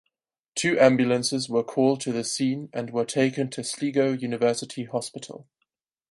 Two ambulances were called to the scene and were taken to Sligo University Hospital.